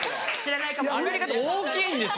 アメリカって大きいんですよ。